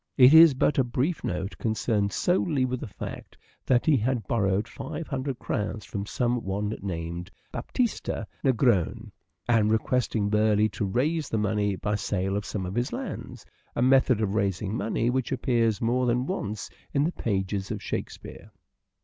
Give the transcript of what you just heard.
It is but a brief note concerned solely with the fact that he had borrowed five hundred crowns from some one named Baptista Nigrone, and requesting Burleigh to raise the money by the sale of some of his lands — a method of raising money which appears more than once in the pages of " Shakespeare."